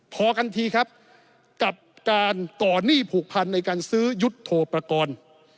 พอกันทีกับการก่อนี้ผูกพันในการซื้อยุทธโทมพากร